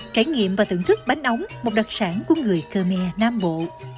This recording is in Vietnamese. trải nghiệm và thưởng thức bánh ống một đặc sản của người khmer nam bộ